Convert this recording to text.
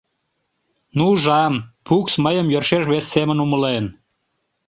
Ну, ужам, Фукс мыйым йӧршеш вес семын умылен.